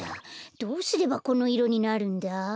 どうすればこのいろになるんだ？